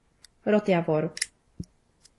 Rod javor.